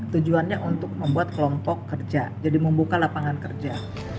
tujuannya untuk membuat kelompok kerja jadi membuka lapangan kerja